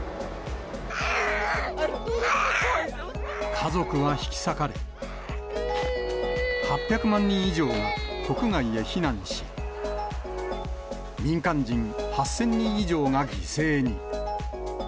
家族は引き裂かれ、８００万人以上が国外へ避難し、民間人８０００人以上が犠牲に。